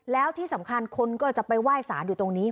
แล้วที่สำคัญคนก็จะไปไหว้สารอยู่ตรงนี้